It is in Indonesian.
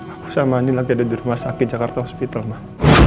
aku sama ini lagi ada di rumah sakit jakarta hospital mah